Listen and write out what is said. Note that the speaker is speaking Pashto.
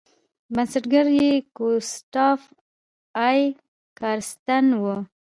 بنسټګر یې ګوسټاف ای کارستن و.